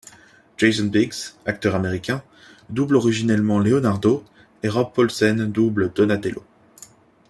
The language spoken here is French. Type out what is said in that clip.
Jason Biggs, acteur américain, double originellement Leonardo, et Rob Paulsen double Donatello.